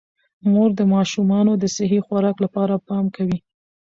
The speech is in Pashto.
مور د ماشومانو د صحي خوراک لپاره پام کوي